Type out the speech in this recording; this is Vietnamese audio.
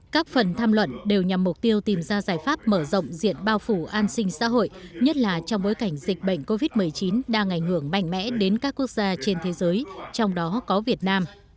các phần tham luận đều nhằm mục tiêu tìm ra giải pháp mở rộng diện bao phủ an sinh xã hội nhất là trong bối cảnh dịch bệnh covid một mươi chín đang ảnh hưởng mạnh mẽ đến các quốc gia trên thế giới trong đó có việt nam